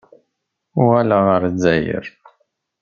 Uɣaleɣ ɣer Lezzayer.